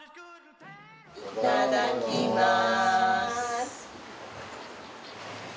いただきます。